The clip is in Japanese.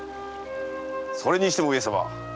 それにしても上様。